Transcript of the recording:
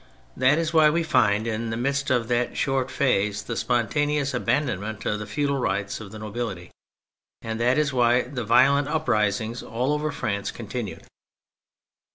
That is why we find in the midst of that short phase the spontaneous abandonment of the feudal rights by the nobility. And that is why the violent uprisings all over France continued.